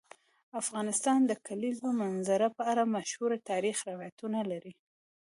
افغانستان د د کلیزو منظره په اړه مشهور تاریخی روایتونه لري.